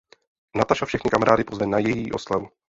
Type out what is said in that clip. Nataša všechny kamarády pozve na její oslavu.